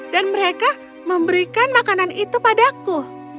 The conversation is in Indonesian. dan mereka memberikan makanan itu padaku